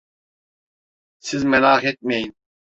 Siz merak etmeyin.